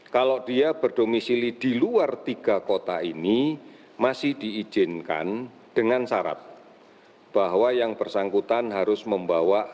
kalau dia berdomisili di luar tiga kota ini masih diizinkan dengan syarat bahwa yang bersangkutan harus membawa